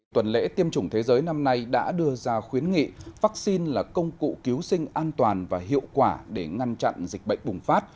tuần lễ tiêm chủng thế giới năm nay đã đưa ra khuyến nghị vaccine là công cụ cứu sinh an toàn và hiệu quả để ngăn chặn dịch bệnh bùng phát